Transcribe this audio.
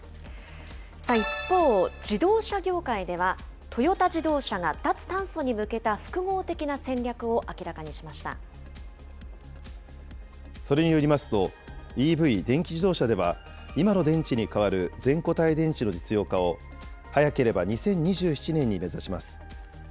一方、自動車業界では、トヨタ自動車が、脱炭素に向けた複合それによりますと、ＥＶ・電気自動車では、今の電池に代わる全固体電池の実用化を早ければ２０２７年に目指します。